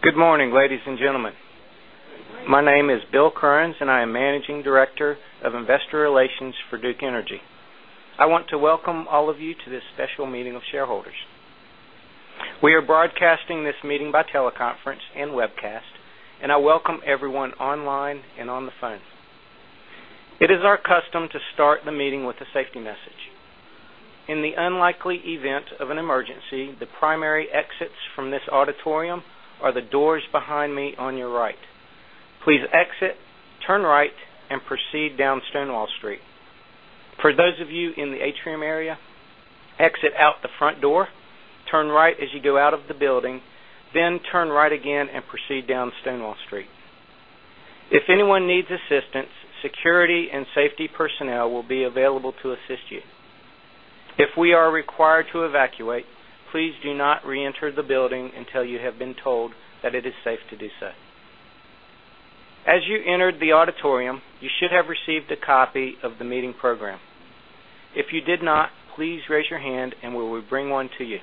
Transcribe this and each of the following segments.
Good morning, ladies and gentlemen. My name is Bill Currens, and I am Managing Director of Investor Relations for Duke Energy. I want to welcome all of you to this special meeting of shareholders. We are broadcasting this meeting by teleconference and webcast, and I welcome everyone online and on the phone. It is our custom to start the meeting with a safety message. In the unlikely event of an emergency, the primary exits from this auditorium are the doors behind me on your right. Please exit, turn right, and proceed down Stonewall Street. For those of you in the atrium area, exit out the front door, turn right as you go out of the building, then turn right again and proceed down Stonewall Street. If anyone needs assistance, security and safety personnel will be available to assist you. If we are required to evacuate, please do not re-enter the building until you have been told that it is safe to do so. As you entered the auditorium, you should have received a copy of the meeting program. If you did not, please raise your hand, and we will bring one to you.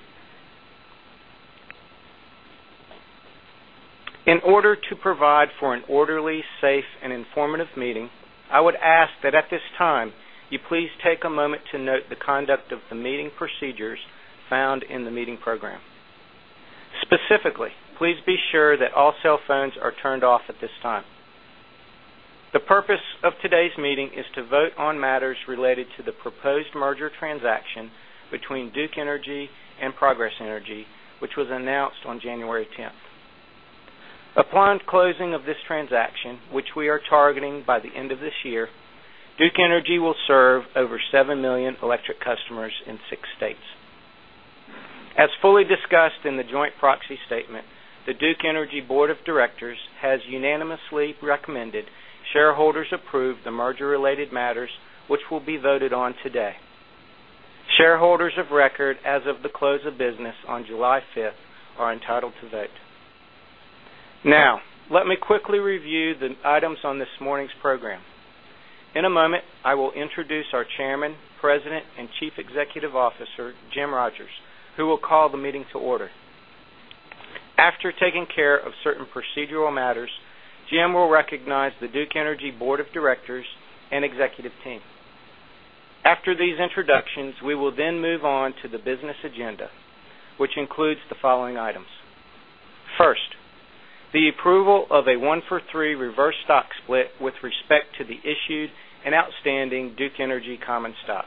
In order to provide for an orderly, safe, and informative meeting, I would ask that at this time you please take a moment to note the conduct of the meeting procedures found in the meeting program. Specifically, please be sure that all cell phones are turned off at this time. The purpose of today's meeting is to vote on matters related to the proposed merger transaction between Duke Energy and Progress Energy, which was announced on January 10th. Upon closing of this transaction, which we are targeting by the end of this year, Duke Energy will serve over 7 million electric customers in six states. As fully discussed in the joint proxy statement, the Duke Energy Board of Directors has unanimously recommended shareholders approve the merger-related matters, which will be voted on today. Shareholders of record, as of the close of business on July 5th, are entitled to vote. Now, let me quickly review the items on this morning's program. In a moment, I will introduce our Chairman, President, and Chief Executive Officer, Jim Rogers, who will call the meeting to order. After taking care of certain procedural matters, Jim will recognize the Duke Energy Board of Directors and executive team. After these introductions, we will then move on to the business agenda, which includes the following items. First, the approval of a one-for-three reverse stock split with respect to the issued and outstanding Duke Energy common stock.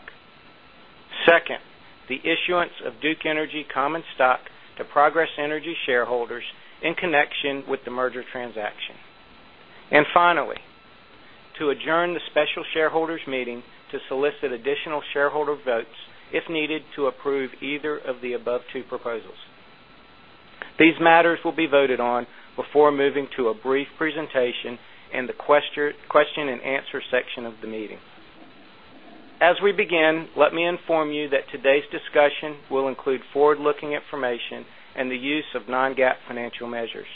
Second, the issuance of Duke Energy common stock to Progress Energy shareholders in connection with the merger transaction. Finally, to adjourn the special shareholders meeting to solicit additional shareholder votes, if needed, to approve either of the above two proposals. These matters will be voted on before moving to a brief presentation and the question-and-answer section of the meeting. As we begin, let me inform you that today's discussion will include forward-looking information and the use of non-GAAP financial measures.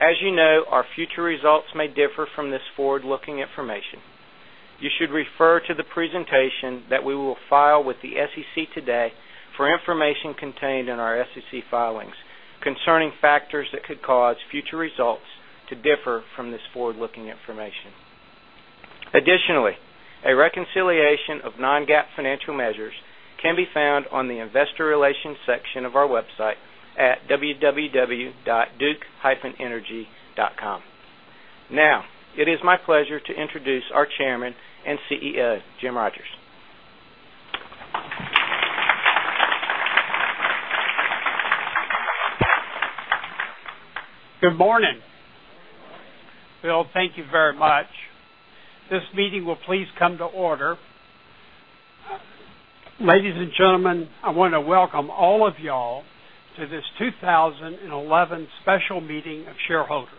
As you know, our future results may differ from this forward-looking information. You should refer to the presentation that we will file with the SEC today for information contained in our SEC filings concerning factors that could cause future results to differ from this forward-looking information. Additionally, a reconciliation of non-GAAP financial measures can be found on the Investor Relations section of our website at www.duke-energy.com. Now, it is my pleasure to introduce our Chairman and CEO, Jim Rogers. Good morning. Bill, thank you very much. This meeting will please come to order. Ladies and gentlemen, I want to welcome all of y'all to this 2011 special meeting of shareholders.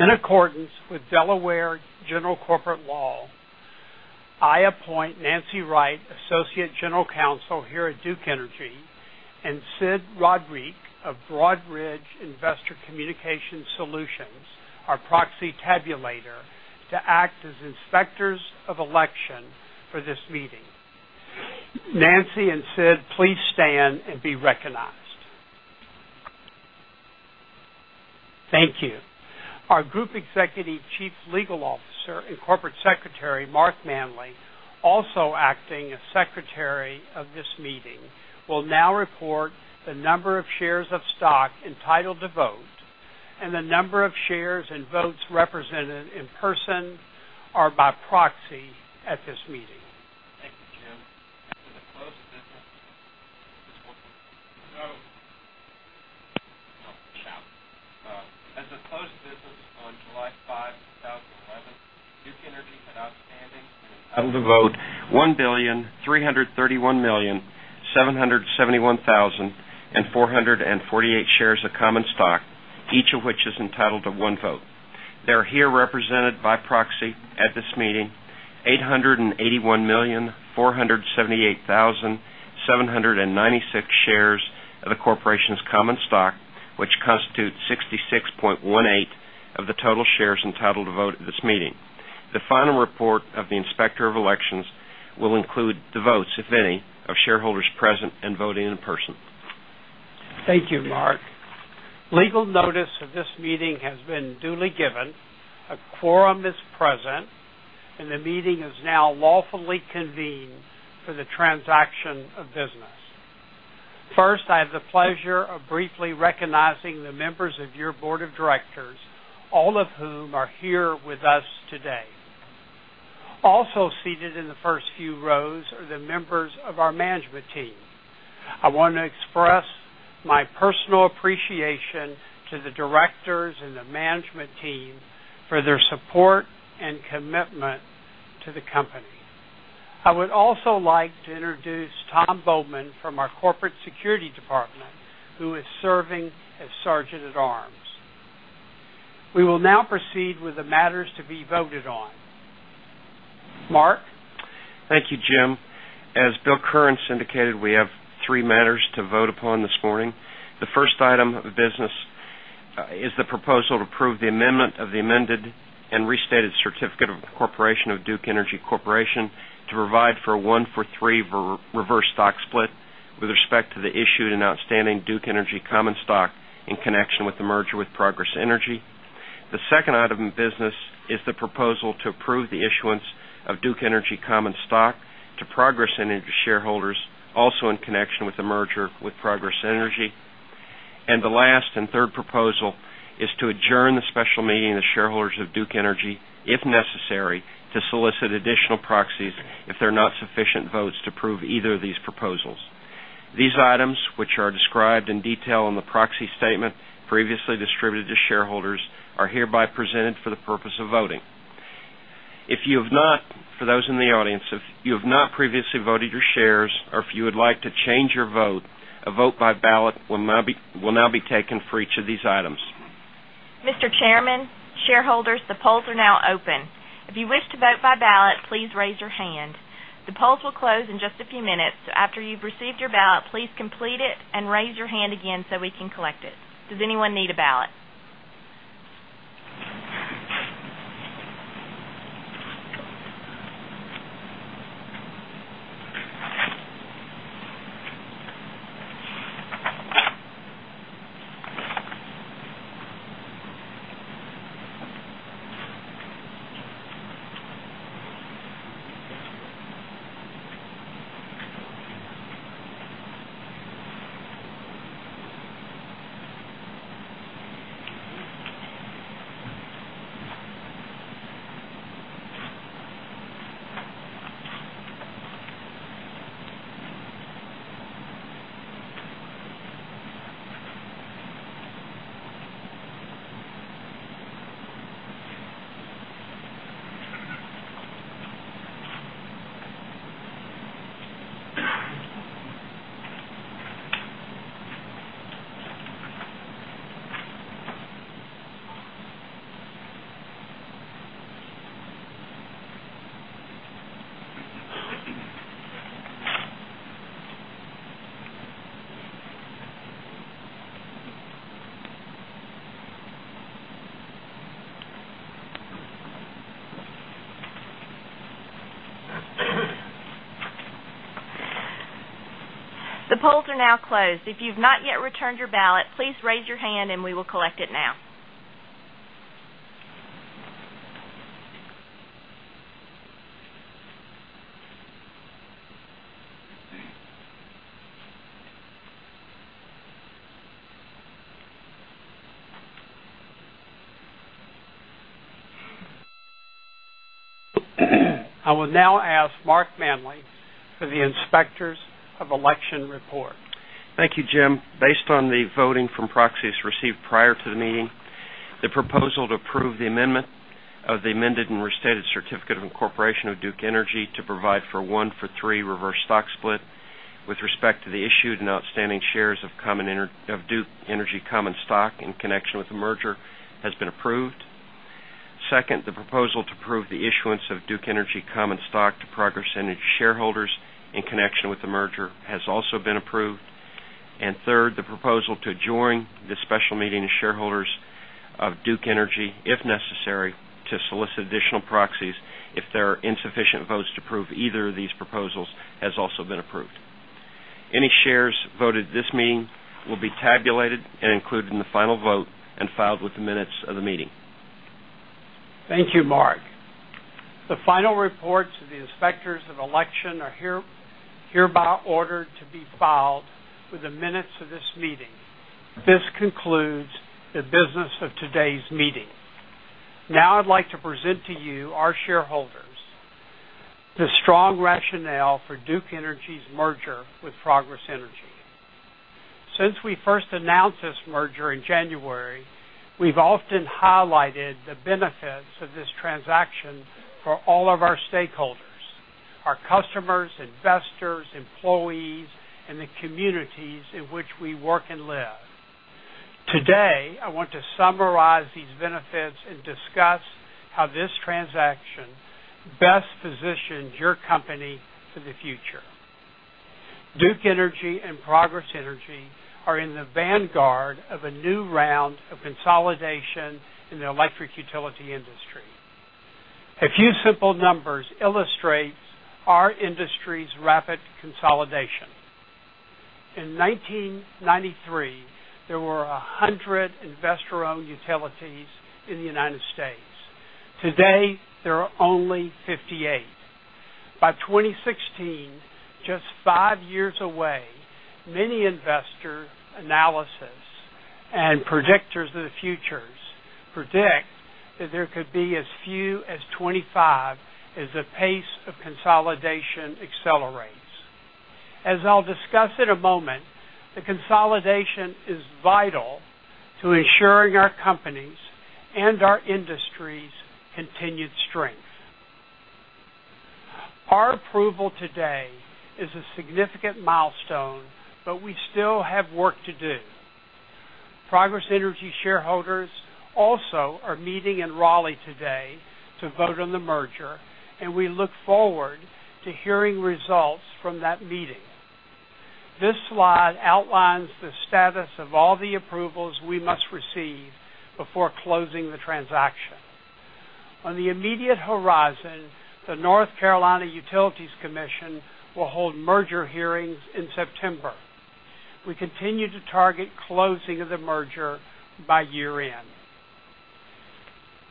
In accordance with Delaware General Corporate Law, I appoint Nancy Wright, Associate General Counsel here at Duke Energy, and Sid Roderick of Broadridge Investor Communication Solutions, our proxy tabulator, to act as inspectors of election for this meeting. Nancy and Sid, please stand and be recognized. Thank you. Our Group Executive Chief Legal Officer and Corporate Secretary, Marc Manly, also acting as Secretary of this meeting, will now report the number of shares of stock entitled to vote and the number of shares and votes represented in person or by proxy at this meeting. Thank you, Jim. Chad, as opposed to this was on July 5, 2011, Duke Energy had outstanding and Of the vote, 1,331,771,448 shares of common stock, each of which is entitled to one vote, are here represented by proxy at this meeting. 881,478,796 shares of the corporation's common stock, which constitutes 66.18% of the total shares entitled to vote at this meeting. The final report of the Inspector of Elections will include the votes, if any, of shareholders present and voting in person. Thank you, Marc. Legal notice of this meeting has been duly given. A quorum is present, and the meeting is now lawfully convened for the transaction of business. First, I have the pleasure of briefly recognizing the members of your Board of Directors, all of whom are here with us today. Also seated in the first few rows are the members of our Management Team. I want to express my personal appreciation to the Directors and the Management Team for their support and commitment to the company. I would also like to introduce Tom Bowman from our Corporate Security Department, who is serving as Sergeant at Arms. We will now proceed with the matters to be voted on. Marc. Thank you, Jim. As Bill Currens indicated, we have three matters to vote upon this morning. The first item of business is the proposal to approve the amendment of the Amended and Restated Certificate of Corporation of Duke Energy Corporation to provide for a one-for-three reverse stock split with respect to the issued and outstanding Duke Energy common stock in connection with the merger with Progress Energy. The second item in business is the proposal to approve the issuance of Duke Energy common stock to Progress Energy shareholders, also in connection with the merger with Progress Energy. The last and third proposal is to adjourn the special meeting of the shareholders of Duke Energy, if necessary, to solicit additional proxies if there are not sufficient votes to approve either of these proposals. These items, which are described in detail in the proxy statement previously distributed to shareholders, are hereby presented for the purpose of voting. For those in the audience, if you have not previously voted your shares or if you would like to change your vote, a vote by ballot will now be taken for each of these items. Mr. Chairman, shareholders, the polls are now open. If you wish to vote by ballot, please raise your hand. The polls will close in just a few minutes. After you've received your ballot, please complete it and raise your hand again so we can collect it. Does anyone need a ballot? The polls are now closed. If you've not yet returned your ballot, please raise your hand and we will collect it now. I will now ask Marc Manly for the Inspectors of Election report. Thank you, Jim. Based on the voting from proxies received prior to the meeting, the proposal to approve the amendment of the Amended and Restated Certificate of Incorporation of Duke Energy to provide for a one-for-three reverse stock split with respect to the issued and outstanding shares of Duke Energy common stock in connection with the merger has been approved. The proposal to approve the issuance of Duke Energy common stock to Progress Energy shareholders in connection with the merger has also been approved. The proposal to adjourn the special meeting of shareholders of Duke Energy, if necessary, to solicit additional proxies if there are insufficient votes to approve either of these proposals has also been approved. Any shares voted at this meeting will be tabulated and included in the final vote and filed with the minutes of the meeting. Thank you, Marc. The final reports of the Inspectors of Election are hereby ordered to be filed with the minutes of this meeting. This concludes the business of today's meeting. Now I'd like to present to you, our shareholders, the strong rationale for Duke Energy's merger with Progress Energy. Since we first announced this merger in January, we've often highlighted the benefits of this transaction for all of our stakeholders, our customers, investors, employees, and the communities in which we work and live. Today, I want to summarize these benefits and discuss how this transaction best positions your company for the future. Duke Energy and Progress Energy are in the vanguard of a new round of consolidation in the electric utility industry. A few simple numbers illustrate our industry's rapid consolidation. In 1993, there were 100 investor-owned utilities in the United States. Today, there are only 58. By 2016, just five years away, many investor analysts and predictors of the future predict that there could be as few as 25 as the pace of consolidation accelerates. As I'll discuss in a moment, the consolidation is vital to ensuring our companies and our industry's continued strength. Our approval today is a significant milestone, but we still have work to do. Progress Energy shareholders also are meeting in Raleigh today to vote on the merger, and we look forward to hearing results from that meeting. This slide outlines the status of all the approvals we must receive before closing the transaction. On the immediate horizon, the North Carolina Utilities Commission will hold merger hearings in September. We continue to target closing of the merger by year-end.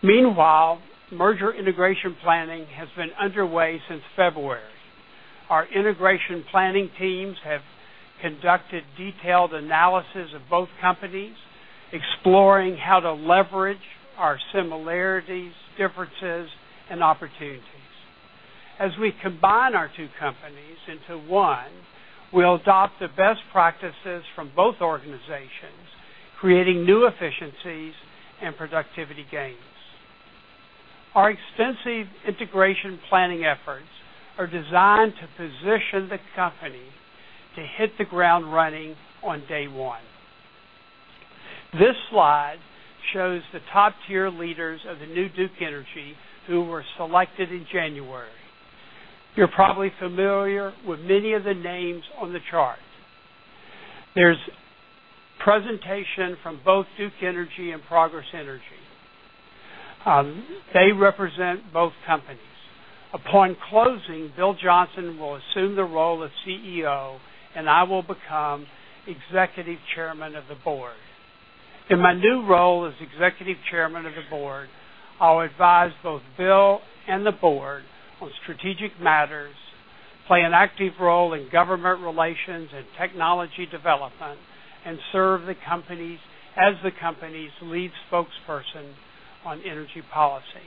Meanwhile, merger integration planning has been underway since February. Our integration planning teams have conducted detailed analysis of both companies, exploring how to leverage our similarities, differences, and opportunities. As we combine our two companies into one, we'll adopt the best practices from both organizations, creating new efficiencies and productivity gains. Our extensive integration planning efforts are designed to position the company to hit the ground running on day one. This slide shows the top-tier leaders of the new Duke Energy who were selected in January. You're probably familiar with many of the names on the chart. There's a presentation from both Duke Energy and Progress Energy. They represent both companies. Upon closing, Bill Johnson will assume the role of CEO, and I will become Executive Chairman of the Board. In my new role as Executive Chairman of the Board, I'll advise both Bill and the Board on strategic matters, play an active role in government relations and technology development, and serve the company as the company's lead spokesperson on energy policy.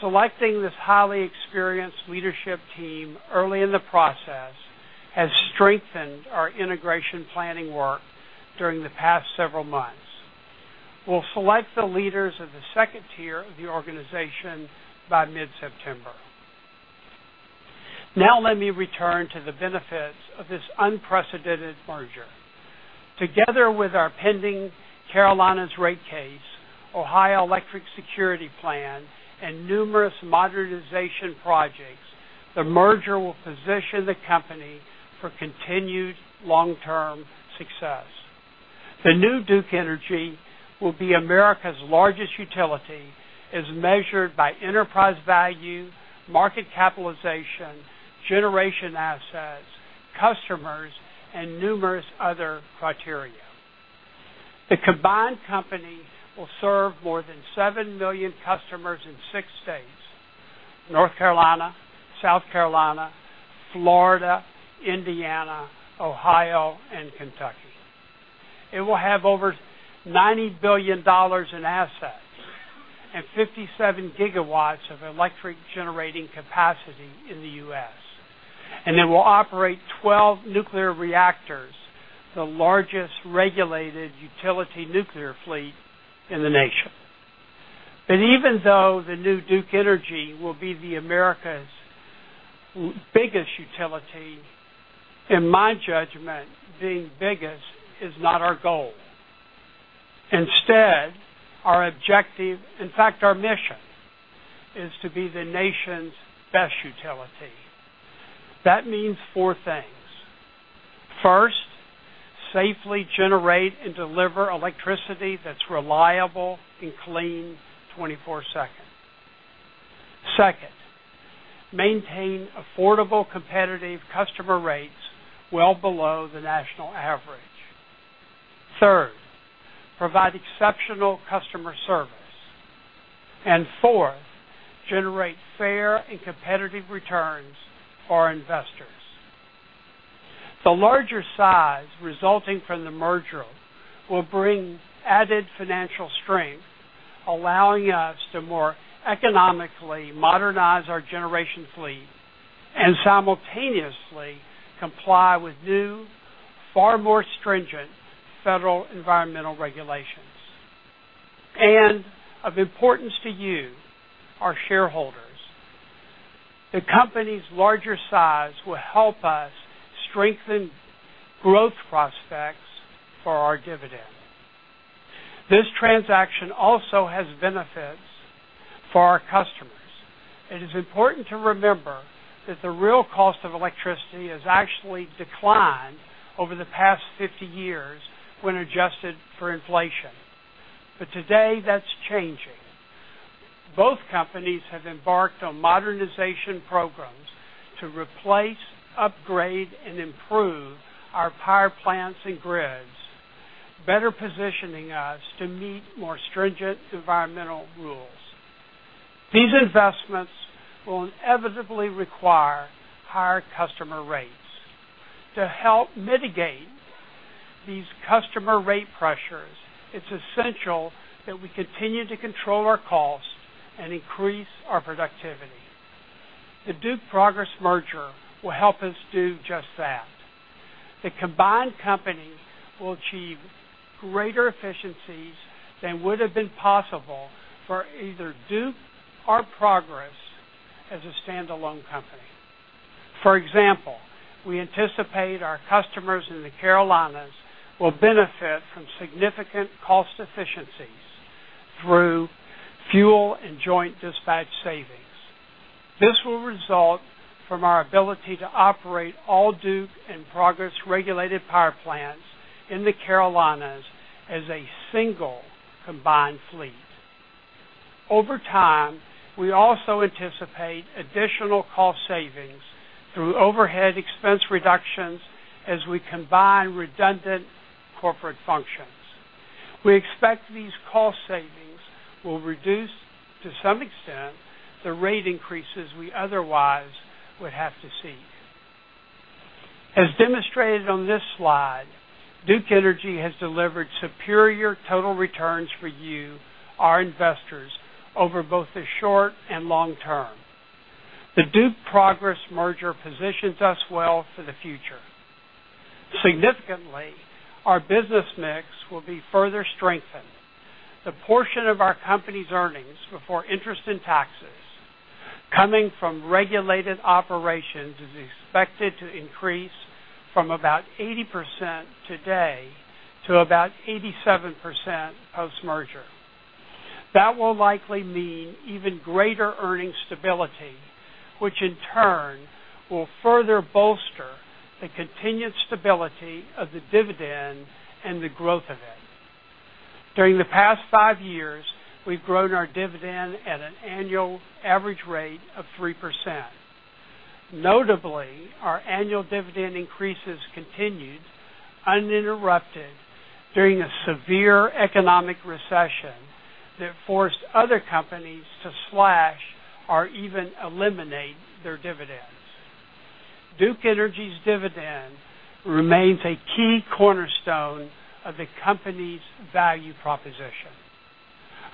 Selecting this highly experienced leadership team early in the process has strengthened our integration planning work during the past several months. We'll select the leaders of the second tier of the organization by mid-September. Now let me return to the benefits of this unprecedented merger. Together with our pending Carolinas Rate Case, Ohio Electric Security Plan, and numerous modernization projects, the merger will position the company for continued long-term success. The new Duke Energy will be America's largest utility as measured by enterprise value, market capitalization, generation assets, customers, and numerous other criteria. The combined company will serve more than 7 million customers in six states: North Carolina, South Carolina, Florida, Indiana, Ohio, and Kentucky. It will have over $90 billion in assets and 57 gigawatts of electric generating capacity in the U.S. It will operate 12 nuclear reactors, the largest regulated utility nuclear fleet in the nation. Even though the new Duke Energy will be America's biggest utility, in my judgment, being biggest is not our goal. Instead, our objective, in fact, our mission is to be the nation's best utility. That means four things. First, safely generate and deliver electricity that's reliable and clean 24/7. Second, maintain affordable, competitive customer rates well below the national average. Third, provide exceptional customer service. Fourth, generate fair and competitive returns for our investors. The larger size resulting from the merger will bring added financial strength, allowing us to more economically modernize our generation fleet and simultaneously comply with new, far more stringent federal environmental regulations. Of importance to you, our shareholders, the company's larger size will help us strengthen growth prospects for our dividend. This transaction also has benefits for our customers. It is important to remember that the real cost of electricity has actually declined over the past 50 years when adjusted for inflation. Today, that's changing. Both companies have embarked on modernization programs to replace, upgrade, and improve our power plants and grids, better positioning us to meet more stringent environmental rules. These investments will inevitably require higher customer rates. To help mitigate these customer rate pressures, it's essential that we continue to control our costs and increase our productivity. The Duke-Progress merger will help us do just that. The combined company will achieve greater efficiencies than would have been possible for either Duke or Progress as a standalone company. For example, we anticipate our customers in the Carolinas will benefit from significant cost efficiencies through fuel and joint dispatch savings. This will result from our ability to operate all Duke and Progress-regulated power plants in the Carolinas as a single combined fleet. Over time, we also anticipate additional cost savings through overhead expense reductions as we combine redundant corporate functions. We expect these cost savings will reduce, to some extent, the rate increases we otherwise would have to see. As demonstrated on this slide, Duke Energy has delivered superior total returns for you, our investors, over both the short and long term. The Duke-Progress merger positions us well for the future. Significantly, our business mix will be further strengthened. The portion of our company's earnings before interest and taxes coming from regulated operations is expected to increase from about 80% today to about 87% post-merger. That will likely mean even greater earning stability, which in turn will further bolster the continued stability of the dividend and the growth of it. During the past five years, we've grown our dividend at an annual average rate of 3%. Notably, our annual dividend increases continued uninterrupted during a severe economic recession that forced other companies to slash or even eliminate their dividends. Duke Energy's dividend remains a key cornerstone of the company's value proposition.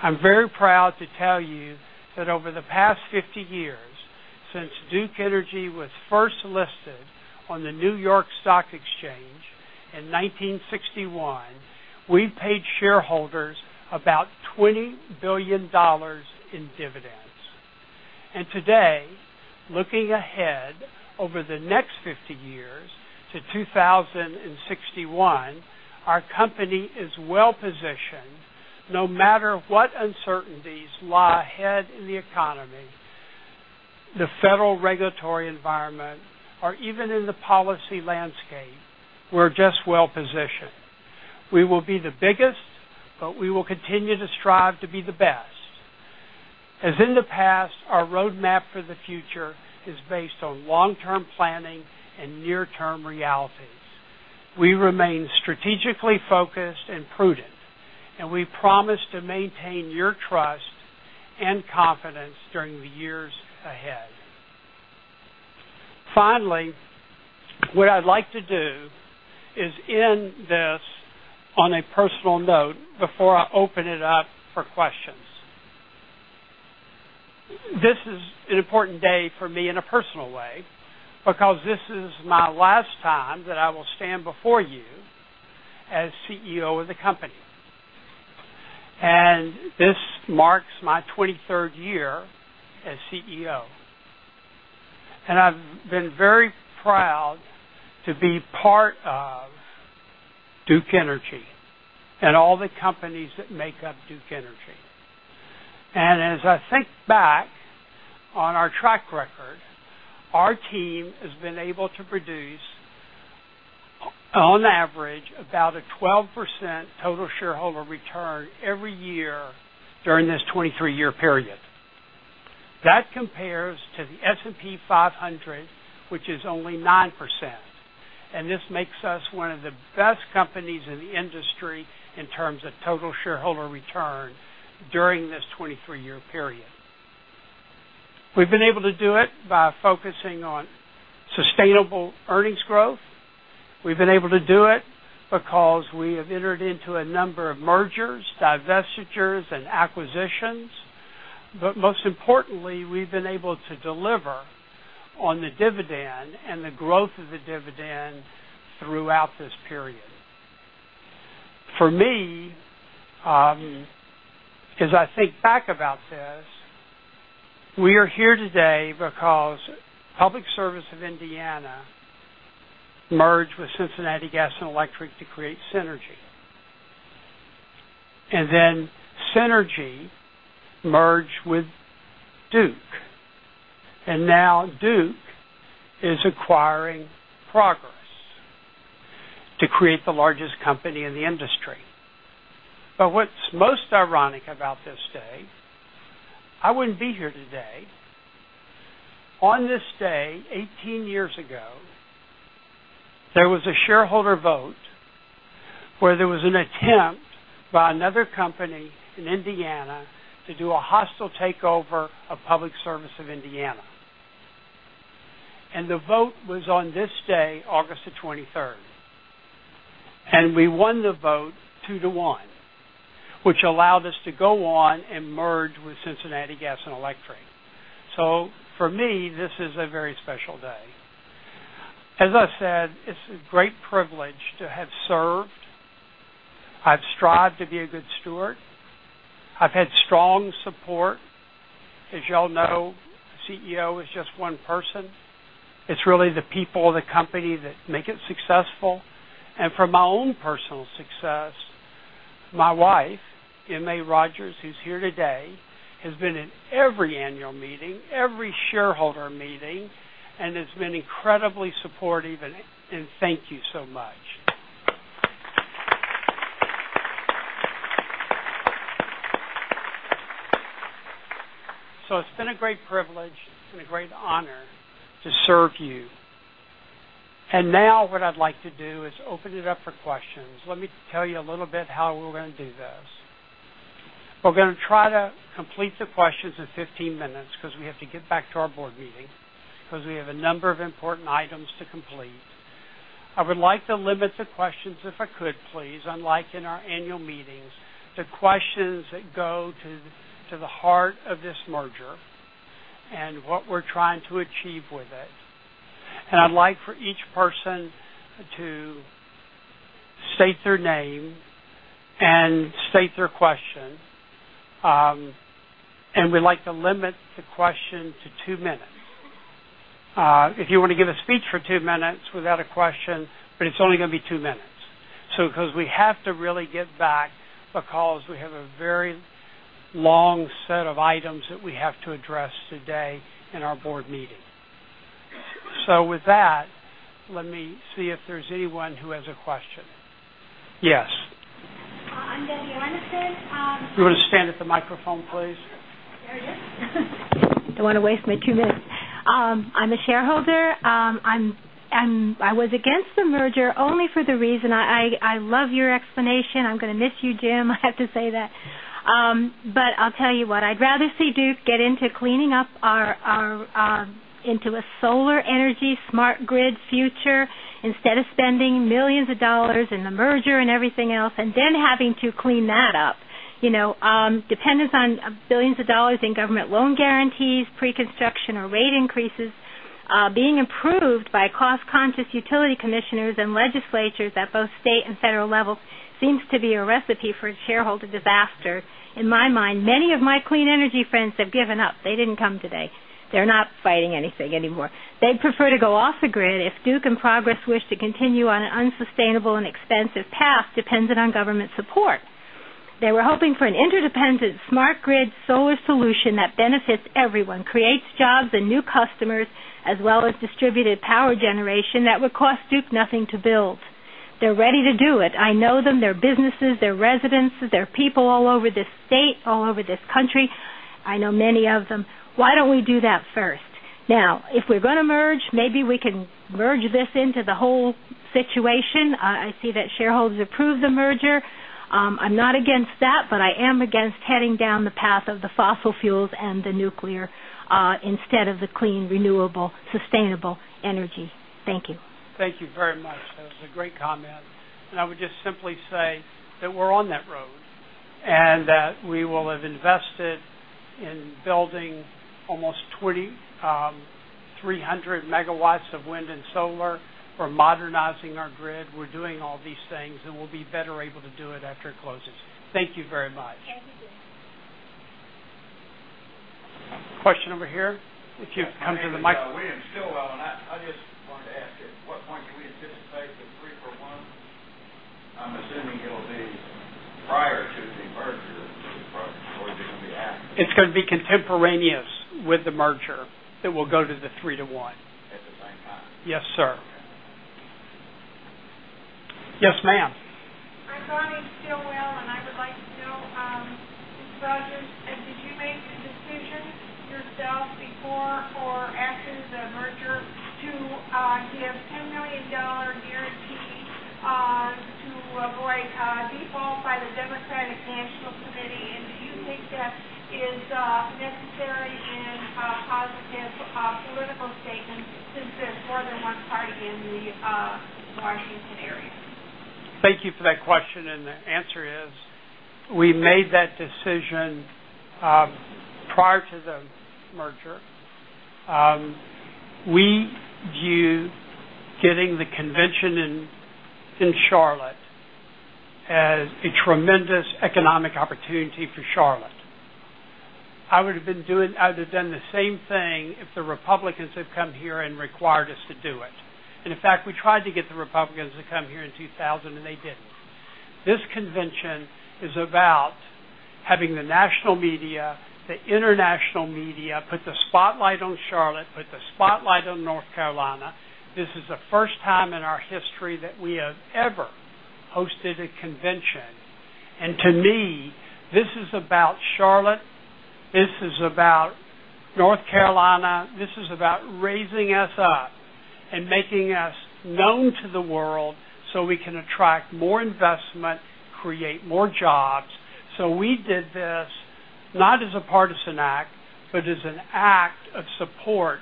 I'm very proud to tell you that over the past 50 years, since Duke Energy was first listed on the New York Stock Exchange in 1961, we've paid shareholders about $20 billion in dividends. Today, looking ahead over the next 50 years, to 2061, our company is well positioned no matter what uncertainties lie ahead in the economy, the federal regulatory environment, or even in the policy landscape. We're just well positioned. We will be the biggest, but we will continue to strive to be the best. As in the past, our roadmap for the future is based on long-term planning and near-term realities. We remain strategically focused and prudent, and we promise to maintain your trust and confidence during the years ahead. Finally, what I'd like to do is end this on a personal note before I open it up for questions. This is an important day for me in a personal way because this is my last time that I will stand before you as CEO of the company. This marks my 23rd year as CEO. I've been very proud to be part of Duke Energy and all the companies that make up Duke Energy. As I think back on our track record, our team has been able to produce, on average, about a 12% total shareholder return every year during this 23-year period. That compares to the S&P 500, which is only 9%. This makes us one of the best companies in the industry in terms of total shareholder return during this 23-year period. We've been able to do it by focusing on sustainable earnings growth. We've been able to do it because we have entered into a number of mergers, divestitures, and acquisitions. Most importantly, we've been able to deliver on the dividend and the growth of the dividend throughout this period. For me, as I think back about this, we are here today because Public Service of Indiana merged with Cincinnati Gas and Electric to create Cinergy. Cinergy merged with Duke. Now Duke is acquiring Progress to create the largest company in the industry. What's most ironic about this day, I wouldn't be here today. On this day, 18 years ago, there was a shareholder vote where there was an attempt by another company in Indiana to do a hostile takeover of Public Service of Indiana. The vote was on this day, August 23rd. We won the vote two to one, which allowed us to go on and merge with Cincinnati Gas and Electric. For me, this is a very special day. As I said, it's a great privilege to have served. I've strived to be a good steward. I've had strong support. As y'all know, the CEO is just one person. It's really the people of the company that make it successful. For my own personal success, my wife, M.A. Rogers, who's here today, has been at every annual meeting, every shareholder meeting, and has been incredibly supportive. Thank you so much. It's been a great privilege. It's been a great honor to serve you. What I'd like to do now is open it up for questions. Let me tell you a little bit about how we're going to do this. We're going to try to complete the questions in 15 minutes because we have to get back to our board meeting, as we have a number of important items to complete. I would like to limit the questions, if I could, please, unlike in our annual meetings, to questions that go to the heart of this merger and what we're trying to achieve with it. I'd like for each person to state their name and state their question. We'd like to limit the question to two minutes. If you want to give a speech for two minutes without a question, it's only going to be two minutes. We have to really get back because we have a very long set of items that we have to address today in our board meeting. With that, let me see if there's anyone who has a question. Yes. I'm Debbie Emerson. You want to stand at the microphone, please? There it is. Don't want to waste my two minutes. I'm a shareholder. I was against the merger only for the reason I love your explanation. I'm going to miss you, Jim. I have to say that. I'll tell you what, I'd rather see Duke get into cleaning up our into a solar energy smart grid future instead of spending millions of dollars in the merger and everything else and then having to clean that up. Dependence on billions of dollars in government loan guarantees, pre-construction, or rate increases being approved by cost-conscious utility commissioners and legislatures at both state and federal levels seems to be a recipe for a shareholder disaster. In my mind, many of my clean energy friends have given up. They didn't come today. They're not fighting anything anymore. They'd prefer to go off the grid if Duke and Progress wished to continue on an unsustainable and expensive path dependent on government support. They were hoping for an interdependent smart grid solar solution that benefits everyone, creates jobs and new customers, as well as distributed power generation that would cost Duke nothing to build. They're ready to do it. I know them. They're businesses. They're residences. They're people all over this state, all over this country. I know many of them. Why don't we do that first? Now, if we're going to merge, maybe we can merge this into the whole situation. I see that shareholders approved the merger. I'm not against that, but I am against heading down the path of the fossil fuels and the nuclear instead of the clean, renewable, sustainable energy. Thank you. Thank you very much. That was a great comment. I would just simply say that we're on that road and that we will have invested in building almost 300 MW of wind and solar. We're modernizing our grid. We're doing all these things, and we'll be better able to do it after it closes. Thank you very much. Thank you, Jim. Question over here? If you come to the mic. William Stillwell, I just wanted to ask you, what point do we anticipate the three-for-one? I'm assuming it'll be prior to the merger. It's going to be contemporaneous with the merger that will go to the three-to-one. At the same time? Yes, sir. Yes, ma'am. I'm [Conny Stillwell, and I would like to know, Mr. Rogers, did you make decisions yourself before or after the merger to give a $10 million guarantee to avoid default by the Democratic National Committee? Do you think that is necessary and has the political statement since it's more than once tied in the Washington period? Thank you for that question. The answer is we made that decision prior to the merger. We view getting the convention in Charlotte as a tremendous economic opportunity for Charlotte. I would have done the same thing if the Republicans had come here and required us to do it. In fact, we tried to get the Republicans to come here in 2000, and they didn't. This convention is about having the national media, the international media put the spotlight on Charlotte, put the spotlight on North Carolina. This is the first time in our history that we have ever hosted a convention. To me, this is about Charlotte. This is about North Carolina. This is about raising us up and making us known to the world so we can attract more investment, create more jobs. We did this not as a partisan act, but as an act of support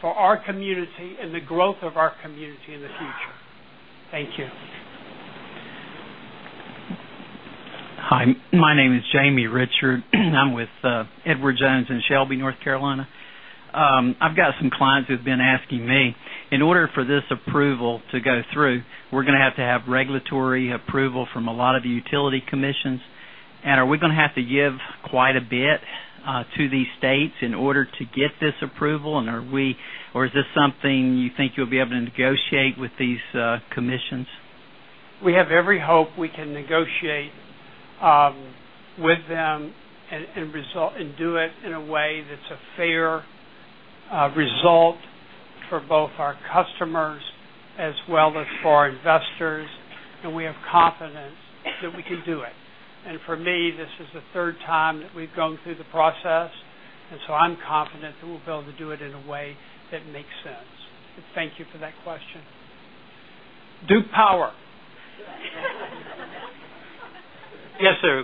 for our community and the growth of our community in the future. Thank you. Hi, my name is Jamie Richard. I'm with Edward Jones in Shelby, North Carolina. I've got some clients who've been asking me, in order for this approval to go through, we're going to have to have regulatory approval from a lot of the utility commissions. Are we going to have to give quite a bit to these states in order to get this approval? Is this something you think you'll be able to negotiate with these commissions? We have every hope we can negotiate with them and do it in a way that's a fair result for both our customers as well as for our investors. We have confidence that we can do it. For me, this is the third time that we've gone through the process, so I'm confident that we'll be able to do it in a way that makes sense. Thank you for that question. Duke Power. Yes, sir.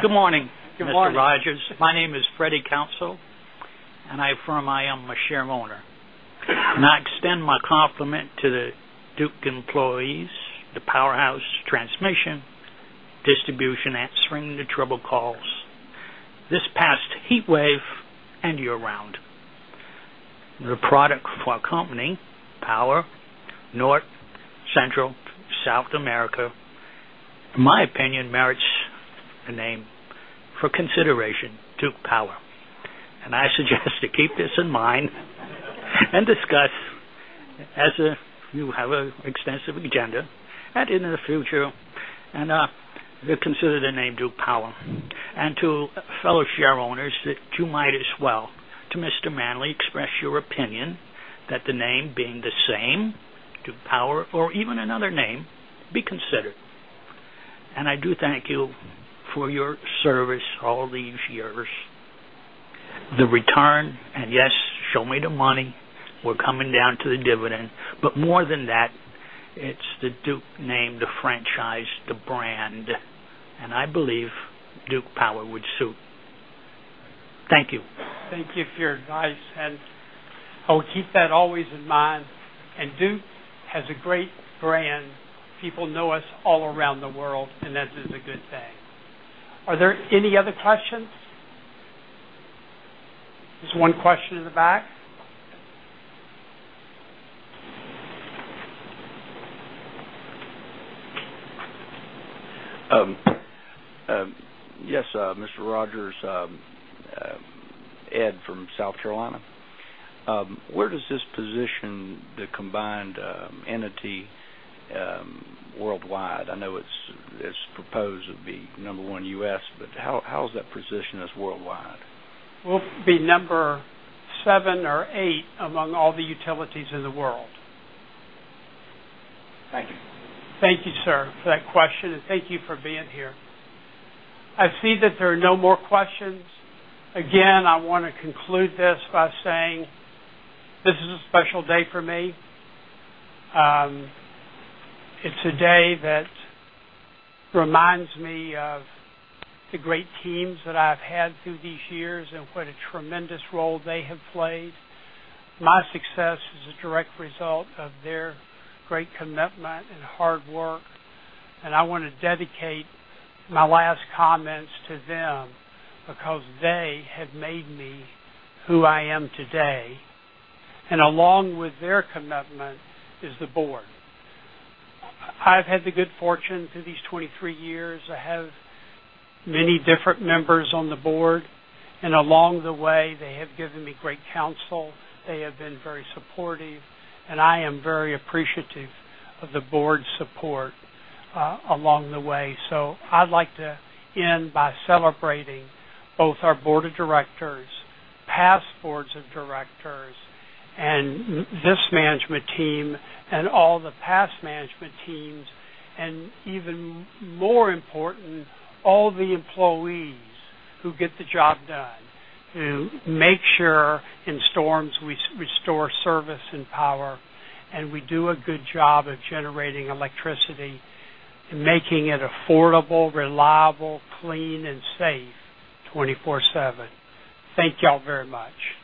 Good morning. Good morning. Mr. Rogers, my name is Freddie [Counsel], and I affirm I am a share owner. I extend my compliment to the Duke employees, the powerhouse transmission, distribution, answering the trouble calls. This past heat wave and year-round, the product for our company, Power, North, Central, South America, in my opinion, merits a name for consideration, Duke Power. I suggest you keep this in mind and discuss as you have an extensive agenda and in the future, consider the name Duke Power. To fellow share owners, you might as well, to Mr. Manly, express your opinion that the name being the same, Duke Power, or even another name, be considered. I do thank you for your service all these years. The return, and yes, show me the money. We're coming down to the dividend. More than that, it's the Duke name, the franchise, the brand. I believe Duke Power would suit. Thank you. Thank you for your advice. I will keep that always in mind. Duke has a great brand. People know us all around the world, and that is a good thing. Are there any other questions? There's one question in the back. Yes, Mr. Rogers, Ed from South Carolina. Where does this position the combined entity worldwide? I know it's proposed to be number one U.S., but how is that positioned as worldwide? We'll be number seven or eight among all the utilities in the world. Thank you. Thank you, sir, for that question. Thank you for being here. I see that there are no more questions. I want to conclude this by saying this is a special day for me. It's a day that reminds me of the great teams that I've had through these years and what a tremendous role they have played. My success is a direct result of their great commitment and hard work. I want to dedicate my last comments to them because they have made me who I am today. Along with their commitment is the board. I've had the good fortune through these 23 years. I have had many different members on the board. Along the way, they have given me great counsel. They have been very supportive. I am very appreciative of the board's support along the way. I'd like to end by celebrating both our board of directors, past boards of directors, and this management team, and all the past management teams, and even more important, all the employees who get the job done. You make sure in storms we restore service and power, and we do a good job of generating electricity and making it affordable, reliable, clean, and safe 24/7. Thank y'all very much.